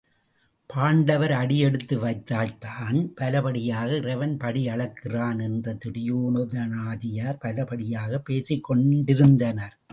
பாண்டவர் அடி எடுத்து வைத்ததால்தான் பலபடியாக இறைவன் படி அளக்கிறான் என்று துரியோதனாதியர் பலபடியாகப் பேசிக் கொண்டிருந்தனர்.